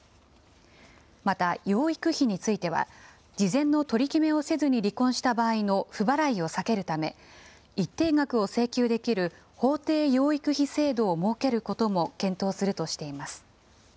また、養育費については、事前の取り決めをせずに離婚した場合の不払いを避けるため、一定額を請求できる法定養育費制度を設けることも検討するとしています。